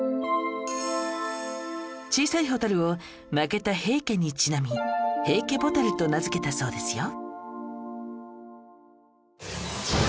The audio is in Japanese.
小さいホタルを負けた平家にちなみヘイケボタルと名付けたそうですよ